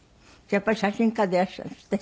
やっぱり写真家でいらしたんですって？